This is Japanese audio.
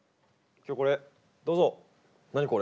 今日これどうぞ。何？